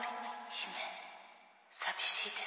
「姫寂しいです」。